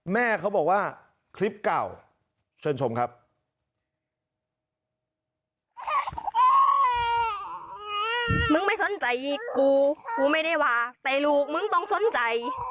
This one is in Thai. มึงไม่สนใจกูกูไม่ได้ว่าแต่ลูกมึงต้องสนใจ